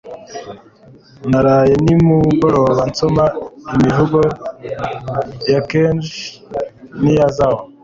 naraye nimugoroba nsoma imivugo ya kenji miyazawa